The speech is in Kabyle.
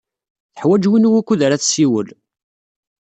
Teḥwaj win wukud ara tessiwel.